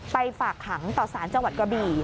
ฝากขังต่อสารจังหวัดกระบี่